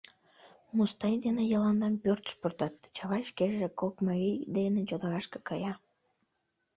Мустай ден Йыландам пӧртыш пуртат, Чавай шкеже кок марий дене чодырашке кая.